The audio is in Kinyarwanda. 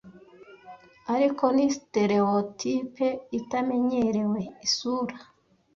Ariko ni stereotype itamenyerewe, isura